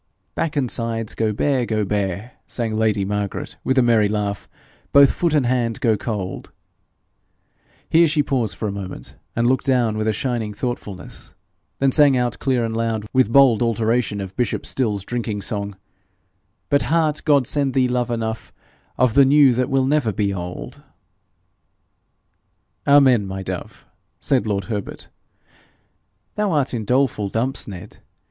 'Back and sides go bare, go bare,' sang lady Margaret with a merry laugh; 'Both foot and hand go cold;' here she paused for a moment, and looked down with a shining thoughtfulness; then sang out clear and loud, with bold alteration of bishop Stills' drinking song, 'But, heart, God send thee love enough, Of the new that will never be old.' 'Amen, my dove!'said lord Herbert. 'Thou art in doleful dumps, Ned.